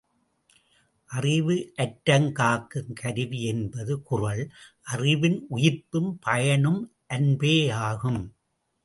அறிவு அற்றங் காக்கும் கருவி என்பது குறள், அறிவின் உயிர்ப்பும் பயனும் அன்பேயாகும்.